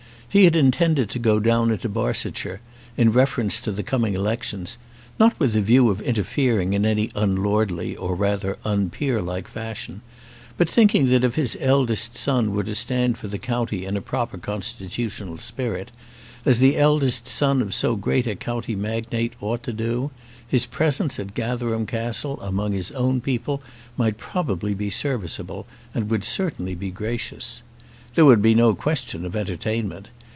He had intended to go down into Barsetshire, in reference to the coming elections; not with the view of interfering in any unlordly, or rather unpeerlike fashion, but thinking that if his eldest son were to stand for the county in a proper constitutional spirit, as the eldest son of so great a county magnate ought to do, his presence at Gatherum Castle, among his own people, might probably be serviceable, and would certainly be gracious. There would be no question of entertainment.